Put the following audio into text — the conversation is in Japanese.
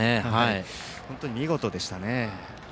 本当に見事でしたね。